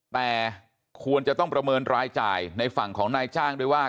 แต่ควรจะต้องประเมินรายจ่ายในฝั่งของนายจ้างด้วยว่า